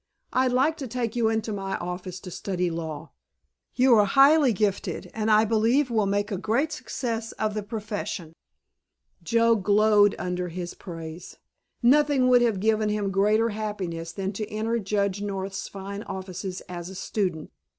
"I'd like to take you into my office to study law. You are highly gifted, and I believe will make a great success of the profession." Joe glowed under his praise. Nothing would have given him greater happiness than to enter Judge North's fine offices as a student.